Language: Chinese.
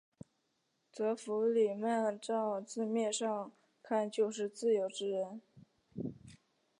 则弗里曼照字面上来看就是自由之人。